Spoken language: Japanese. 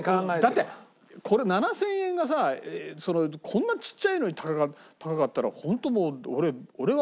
だってこれ７０００円がさこんなちっちゃいのに高かったら本当もう。